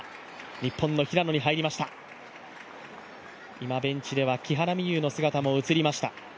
今、ベンチでは木原美悠の姿も映りました。